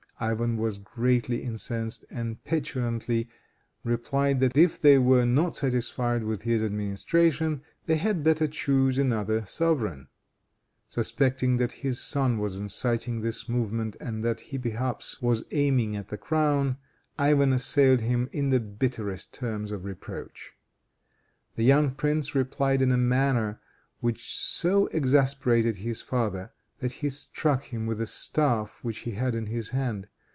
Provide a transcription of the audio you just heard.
Ivan was greatly incensed, and petulantly replied that if they were not satisfied with his administration they had better choose another sovereign. Suspecting that his son was inciting this movement, and that he perhaps was aiming at the crown, Ivan assailed him in the bitterest terms of reproach. The young prince replied in a manner which so exasperated his father, that he struck him with a staff which he had in his hand.